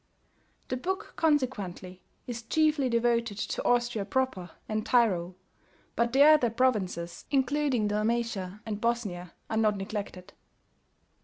The book consequently is chiefly devoted to Austria proper and Tyrol, but the other provinces, including Dalmatia and Bosnia, are not neglected.